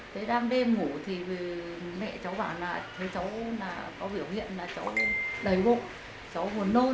thế đang đêm ngủ thì mẹ cháu bảo là thấy cháu là có biểu hiện là cháu đầy bụng cháu muốn nôi